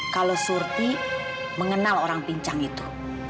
kalau surti mengenal orang pincang itu